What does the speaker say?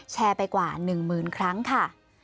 แชร์ไปกว่า๑หมื่นครั้งค่ะ